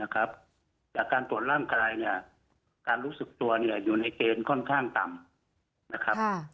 การตรวจร่างกายการรู้สึกตัวอยู่ในเกณฑ์ค่อนข้างต่ำ